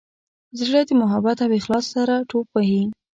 زړه د محبت او اخلاص سره ټوپ وهي.